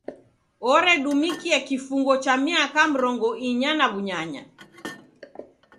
Oredumikia kifungo cha miaka mrongo inya na w'unyanya.